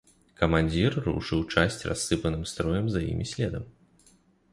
Камандзір рушыў часць рассыпаным строем за імі следам.